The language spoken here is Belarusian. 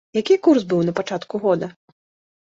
Які курс быў на пачатку года?